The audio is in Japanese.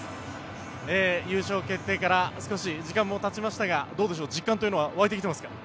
優勝決定から少し時間もたちましたがどうでしょう実感は湧いてきていますか？